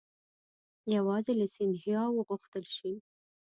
یوازې له سیندهیا وغوښتل شي.